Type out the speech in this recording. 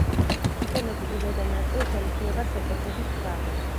შენობის ზედა ნაწილს ემჩნევა შეკეთების კვალი.